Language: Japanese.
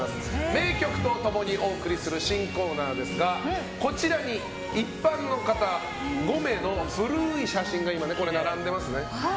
名曲と共にお送りする新コーナーですがこちらに一般の方５名の古い写真が並んでいますね。